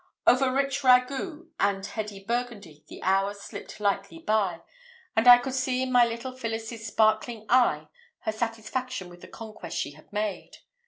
"Over rich ragouts and heady burgundy the hours slipped lightly by, and I could see in my little Phillis's sparkling eye her satisfaction with the conquest she had made.